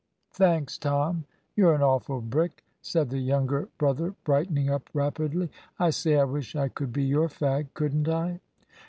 "Thanks, Tom; you're an awful brick," said the younger brother, brightening up rapidly. "I say, I wish I could be your fag. Couldn't I?"